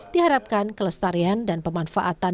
diharapkan kelestarian dan pemanfaatan